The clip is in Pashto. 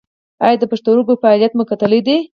ایا د پښتورګو فعالیت مو کتلی دی؟